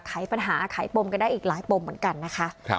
ไขปัญหาไขปมกันได้อีกหลายปมเหมือนกันนะคะ